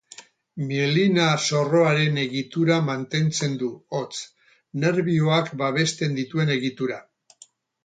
Mielina-zorroaren egitura mantentzen du, hots, nerbioak babesten dituen egitura.